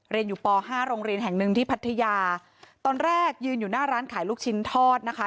เรียนอยู่ปห้าโรงเรียนแห่งหนึ่งที่พัทยาตอนแรกยืนอยู่หน้าร้านขายลูกชิ้นทอดนะคะ